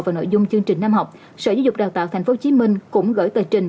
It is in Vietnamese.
vào nội dung chương trình năm học sở giáo dục đào tạo tp hcm cũng gửi tờ trình